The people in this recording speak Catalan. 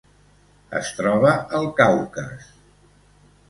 Es troba al Caucas.